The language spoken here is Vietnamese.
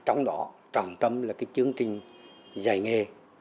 trong đó trọng tâm là chương trình dạy nghề